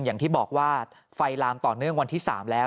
อย่างที่บอกว่าไฟลามต่อเนื่องวันที่๓แล้ว